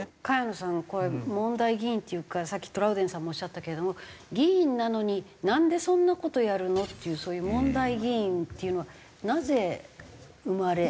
萱野さんはこういう問題議員っていうかさっきトラウデンさんもおっしゃったけれども議員なのになんでそんな事やるの？っていうそういう問題議員っていうのはなぜ生まれ。